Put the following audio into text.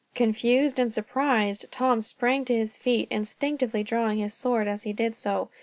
Confused and surprised, Tom sprang to his feet, instinctively drawing his sword as he did so.